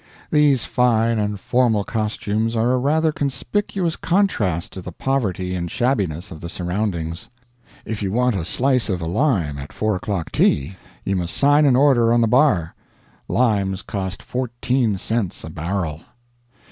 These fine and formal costumes are a rather conspicuous contrast to the poverty and shabbiness of the surroundings .... If you want a slice of a lime at four o'clock tea, you must sign an order on the bar. Limes cost 14 cents a barrel.